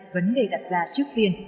vấn đề đặt ra trước tiên